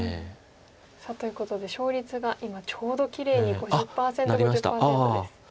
さあということで勝率が今ちょうどきれいに５０％５０％です。